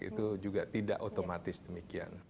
itu juga tidak otomatis demikian